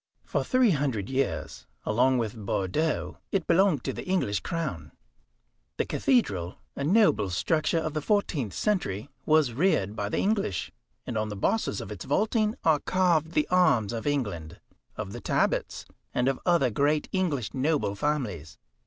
For three hundred years, along with Bordeaux, it belonged to the English crown. The cathedral, a noble structure of the fourteenth century, was reared by the English, and on the bosses of its vaulting are carved the arms of England, of the Talbots, and of other great English noble families.